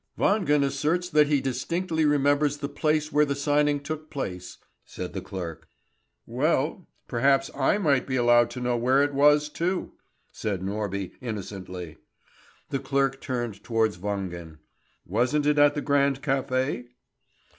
"Wangen asserts that he distinctly remembers the place where the signing took place," said the clerk. "Well, perhaps I might be allowed to know where it was, too," said Norby, innocently. The clerk turned towards Wangen. "Wasn't it at the Grand Café?"